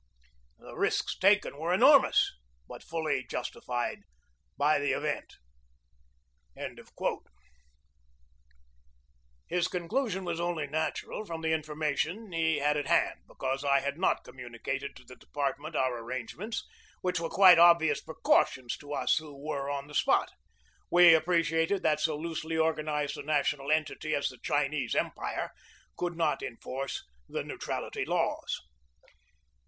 The risks taken were enormous but fully justified by the event." 190 GEORGE DEWEY His conclusion was only natural, from the infor mation he had at hand, because I had not commu nicated to the department our arrangements, which were quite obvious precautions to us who were on the spot. We appreciated that so loosely organized a national entity as the Chinese Empire could not enforce the neutrality laws.